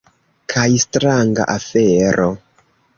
Kaj stranga afero.